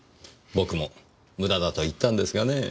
僕も無駄だと言ったんですがねぇ。